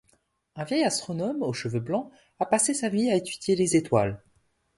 Un vieil astronome aux cheveux blancs a passé sa vie à étudier les étoiles.